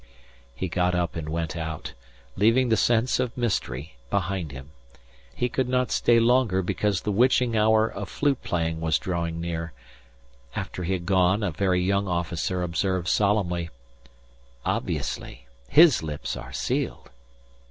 He got up and went out, leaving the sense of mystery behind him. He could not stay longer because the witching hour of flute playing was drawing near. After he had gone a very young officer observed solemnly: "Obviously! His lips are sealed."